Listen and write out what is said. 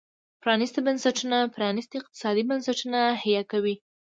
پرانيستي بنسټونه پرانيستي اقتصادي بنسټونه حیه کوي.